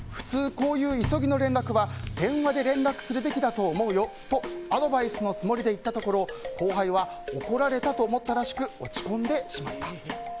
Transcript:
こういう急ぎの連絡は電話で連絡するべきだと思うよとアドバイスのつもりで言ったところ後輩は怒られたと思ったらしく落ち込んでしまった。